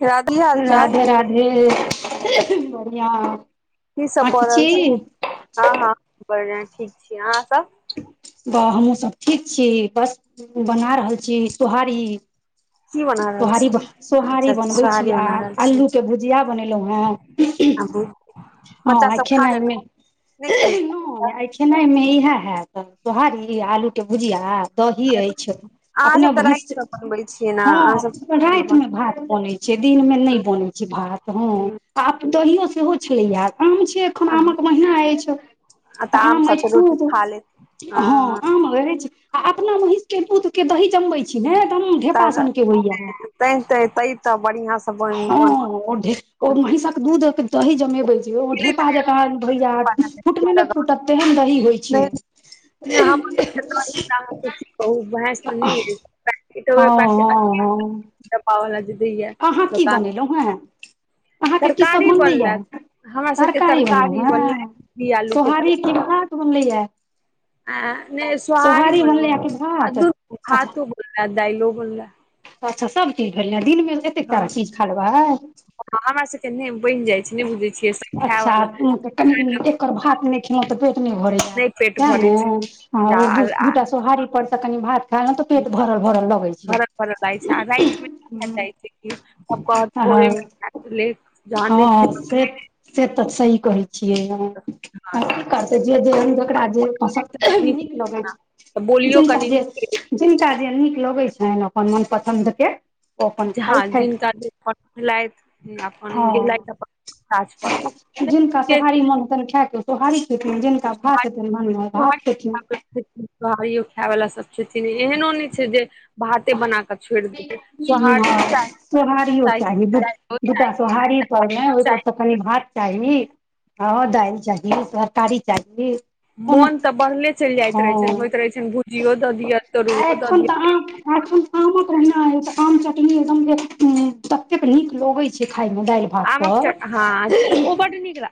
र राधे राधे, बढिया कि सभ भऽ रहल छै हँ हँ ठीक छी अहाँ सभ हमहुँ सभ ठीक छी बस बना रहल छी सोहारी की बना रहल सोहारी छी हैं, सोहारी अच्छा अच्छा बनबै छी सोहारी आ बना रहल छी आलूके भुजिया बनेलौ हे आबू ह, आय खेनाइ मे देखौ। आइ एहि खेनाइमे इएह हयत सोहारी आलूके भुजिया दही अछि अहाँ अपने सब तऽ भैस राति कऽ बनबै छियै ने ह, अहाँ सब रातिमे भात बनैत छै दिनमे नहि बनै छैय भात ह। आब दहियो सेहो एखन आम कऽ महिना अछि आ तऽ आम अछि साथे रोटी खूब खा लेत हँ ह हँ आम अछि आ अपना महीष के दुध के दही जमबै छी न तै ते तऽ बढ़िआ हँ ओ ढिओ महिषकऽ दूधक दही जमेबै से ओ ढेपा बन जका भैया फूटने नहि फूटत तेहन दही होइ छैय। नहिाँ की कहनी [unintelligible] आ, पवल लऽ जेद हए अहाँ कि बनेलहुँ अहाँकेँ कि सभ तरकारी मन एया बनलक हमरा सबके तरकारी हे तरकारी बनलै भिण्डी आलू के सोहारी तरकारी नहि भात बनलैया आ नहि सोहारी बनलै बनलैया कि आ भात दू अच्छा भातो बनलै दाइलो बनलै। अच्छा सभ चीज भेलै दिनमे एतेक हँ सारा चीज खालबो। हमरा सभके नहि बनि जाइत छैय नहि बुझै छियै सभ खायवला एकतऽ भात नहि खेल तऽ पेट नहि भरय नहि पेट तएह भरै छै ने आ जा आ- दूटा सोहारी पर। तऽ कनि भात खालहु तऽ पेट भरल भरल लगै छैय खैय जा, छैय क्यो पपाड़ फोड़ै लऽ हँ से तऽ सही कहै छियै हँ तऽ कि करतै जे जकरा जे पसन्द नीक निक रहत लगै ने। तऽ छै बोलियो जिनका कनि जे नीक जिनका जे नीक लगैत छनि अपन मनपसन्द के हँ जिनकन काथि अपन गेल हँ जिनका सोहारी मोन होत खायके तोहारी खेन जिनका भात हेथिन भात खेथिन बोड़ियो खाय वला सभ छथिन एहनो नहि छै जे भाते बना के छोड़ि देबै, सोहारियो हँ सोहारियो चाह चाही दू दूटा सोहारी परमे ओहि पर कनि भात चाही ह दालि चाही तरकारी चाही ओना मोन तऽ बढ़ले चलि जाइत रहे छनि, हँ होइत रहे छनि भुजियो दऽ दिय तोरुओ दिय आखन आमक ओहिना ये तऽ आम चटनी एदम तते नीक लगे छै खाय मे डाल मे पापड़ [inaudible] बड्ड नीक ला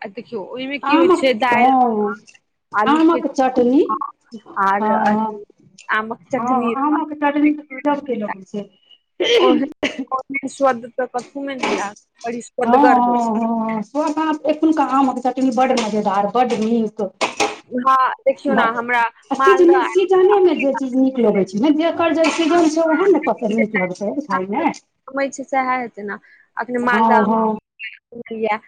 आम हँ आलू के आमक चाटनी हँ आर अथी आमक हँ चटनी आमक चटनी तऽ [unintelligible] केना होइ छै ओहे स्वाद तऽ कथु मे नै लाग बड़ी स्वदगर होय छै ओहे बात एखुनका आमक चटनी बड्ड मजेदार बड्ड नीक हँ देखियौ ने हमरा बस सीजने मालदह सिजनेमे जे चीज नीक छलै लगैत छै ने देख ओकर जे सीजन छै तऽ ओहे ने नीक लगतै खाइ मे समय छै सएह हेतै ने अखने हँ मालदह हँ आम सुनलियै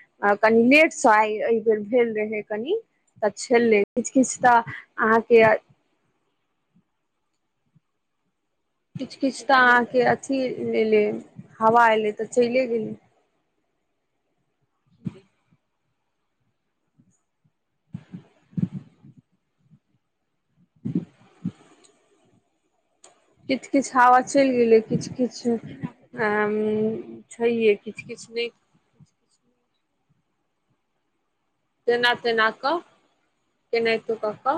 कनि लेटसँ आइ एहि बेर भेल रहै कनी तऽ छेलै किछु किछु तऽ अहाँके किछु किछु तऽ अहाँके अथी एलै हवा एलै तऽ चलिये गेलै [inaudible] [inaudible] किछु किछु हवा चलि गेलै किछु किछु अ म छैेहे की किछु किछु नहि तेना तेना कऽ केनाहितो कऽ कऽ